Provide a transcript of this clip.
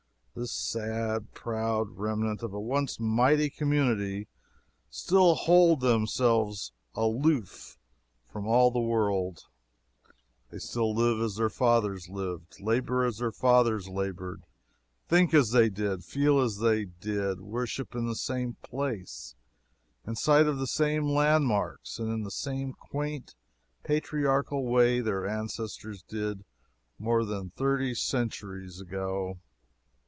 This sad, proud remnant of a once mighty community still hold themselves aloof from all the world; they still live as their fathers lived, labor as their fathers labored, think as they did, feel as they did, worship in the same place, in sight of the same landmarks, and in the same quaint, patriarchal way their ancestors did more than thirty centuries ago.